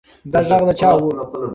دا غږ د چا و؟